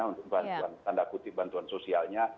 untuk bantuan tanda kutip bantuan sosialnya